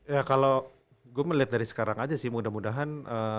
ya kalau gue melihat dari sekarang aja sih mudah mudahan